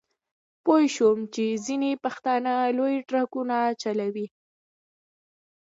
پوی شوم چې ځینې پښتانه لوی ټرکونه چلوي.